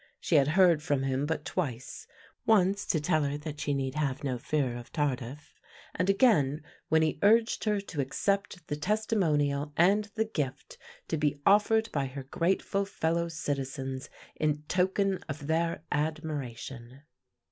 She had heard from him but twice; once to tell her that she need have no fear of Tardif, and again when he urged her to accept the testimonial and the gift to be ofTered by her grateful fellow citizens in token of their admiration.